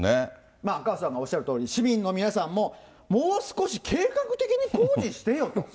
赤星さんがおっしゃるとおり、市民の皆さんも、もう少し計画的に工事してよと。